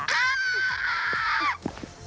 โอ้โอ้โอ้